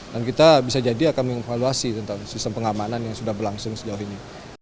dan kita bisa jadi akan meng evaluasi tentang sistem pengamanan yang sudah berlangsung sejauh ini